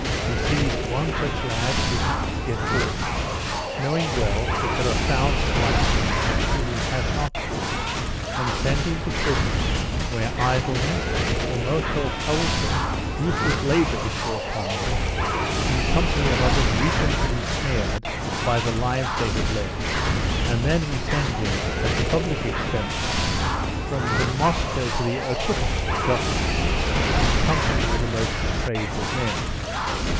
We seize one such lad who happens to get caught, knowing well that there are thousands like him whom we have not caught, and send him to prison, where idleness, or most unwholesome, useless labour is forced on him, in company of others weakened and ensnared by the lives they have led. And then we send him, at the public expense, from the Moscow to the Irkoutsk Government, in company with the most depraved of men.